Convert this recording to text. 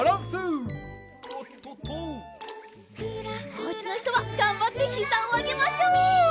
おうちのひとはがんばってひざをあげましょう！